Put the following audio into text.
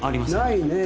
ないね。